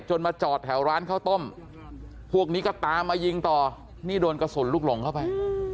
มาจอดแถวร้านข้าวต้มพวกนี้ก็ตามมายิงต่อนี่โดนกระสุนลูกหลงเข้าไป